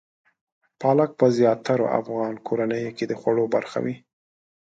پالک په زیاترو افغان کورنیو کې د خوړو برخه وي.